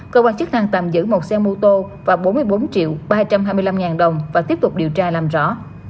cơ quan chức năng tạm giữ một xe mô tô và bốn mươi bốn triệu ba trăm hai mươi năm ngàn đồng và tiếp tục điều tra làm rõ